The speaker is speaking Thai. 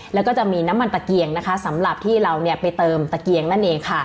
แล้วก็จะมีน้ำมันตะเกียงนะคะสำหรับที่เราไปเติมตะเกียงนั่นเองค่ะ